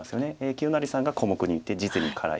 清成さんが小目に打って実利に辛い。